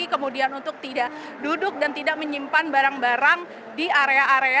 kemudian untuk tidak duduk dan tidak menyimpan barang barang di area area